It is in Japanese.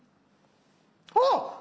あっ！